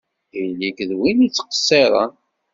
Ili-k d win yettqeṣṣiṛen!